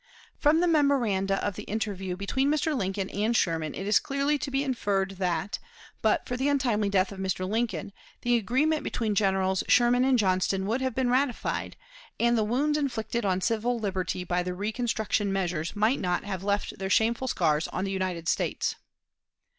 From the memoranda of the interview between Mr. Lincoln and Sherman it is clearly to be inferred that, but for the untimely death of Mr. Lincoln, the agreement between Generals Sherman and Johnston would have been ratified; and the wounds inflicted on civil liberty by the "reconstruction" measures might not have left their shameful scars on the United States.